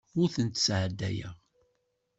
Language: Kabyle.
Ur tent-sseddayeɣ.